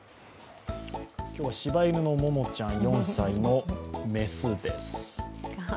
今日はしば犬のももちゃん４歳の雌です。